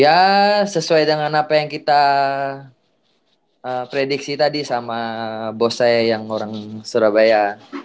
ya sesuai dengan apa yang kita prediksi tadi sama bos saya yang orang surabaya